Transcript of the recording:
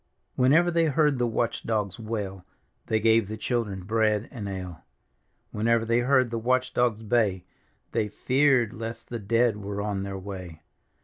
Whenever they heard the watch dogs wail, They gave the children bread and ale. Whenever they heard the watch dogs bay, Thy feared lest the dead were on their way.